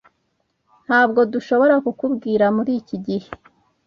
Ntabwo dushobora kukubwira muri iki gihe.